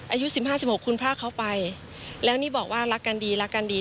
อายุ๑๕๑๖คุณพากเขาไปแล้วนี่บอกว่ารักกันดีรักกันดี